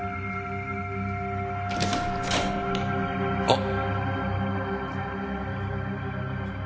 あっ。